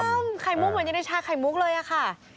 สีดำไข่มุกเหมือนอย่างในชาไข่มุกเลยอ่ะค่ะ